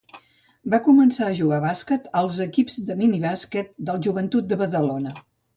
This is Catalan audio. Va començar a jugar a bàsquet als equips de minibàsquet del Joventut de Badalona.